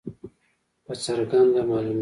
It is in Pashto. په څرګنده معلومیږي.